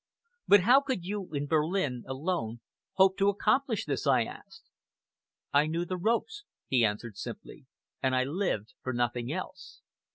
"But how could you in Berlin, alone, hope to accomplish this?" I asked. "I knew the ropes," he answered simply, "and I lived for nothing else.